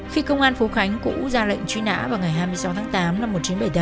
khi công an phú khánh cũng ra lệnh truy nã vào ngày hai mươi sáu tháng tám năm một nghìn chín trăm bảy mươi tám